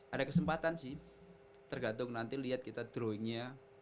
ada kesempatan sih tergantung nanti lihat kita drawingnya